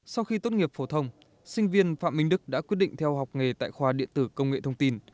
sau khi tốt nghiệp phổ thông sinh viên phạm minh đức đã quyết định theo học nghề tại khoa điện tử công nghệ thông tin